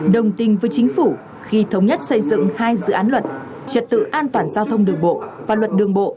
đồng tình với chính phủ khi thống nhất xây dựng hai dự án luật trật tự an toàn giao thông đường bộ và luật đường bộ